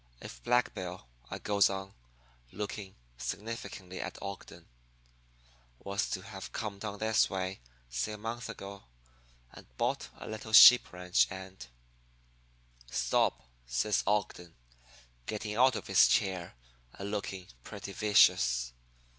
If Black Bill,' I goes on, looking significantly at Ogden, 'was to have come down this way say, a month ago and bought a little sheep ranch and ' "'Stop,' says Ogden, getting out of his chair and looking pretty vicious.